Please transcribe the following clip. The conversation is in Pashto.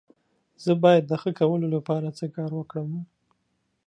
زه باید د ښه کولو لپاره څه کار وکړم؟